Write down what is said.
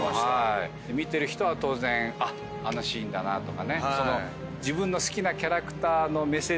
見てる人は当然あっあのシーンだなとかね自分の。